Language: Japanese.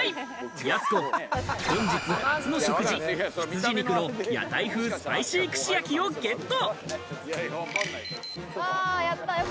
やす子、本日初の食事、羊肉の屋台風スパイシー串焼きをゲット。